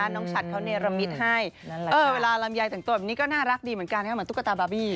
ฉัดเขาเนรมิตให้เวลาลำไยแต่งตัวแบบนี้ก็น่ารักดีเหมือนกันเหมือนตุ๊กตาบาร์บี้